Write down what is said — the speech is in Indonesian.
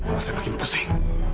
masih makin pusing